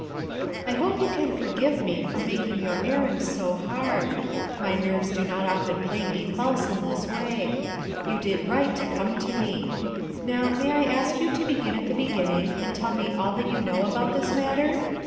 "I hope you can forgive me for making your errand so hard. My nerves do not often play me false in this way. You did right to come to me. Now, may I ask you to begin at the beginning and tell me all that you know about this matter